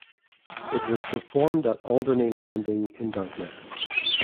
It was performed at Alderney Landing in Dartmouth.